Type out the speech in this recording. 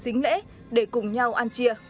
xính lễ để cùng nhau ăn chia